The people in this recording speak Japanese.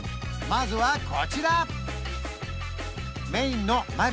まずはこちら！